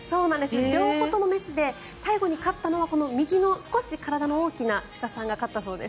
両方とも雌で最後に勝ったのはこの右の少し体の大きな鹿さんが勝ったそうです。